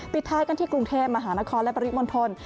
ปิดท้ายกันที่กรุงเทพมหานครและปริมณฑล